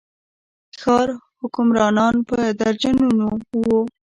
ښار حکمرانان په درجنونو وو.